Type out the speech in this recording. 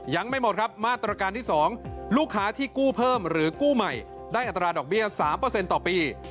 ยังไม่หมดครับมาตรการที่๒ลูกค้าที่กู้เพิ่มหรือกู้ใหม่ได้อัตราดอกเบี้ย๓ต่อปี